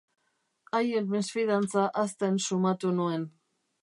Haien mesfidantza hazten sumatu nuen.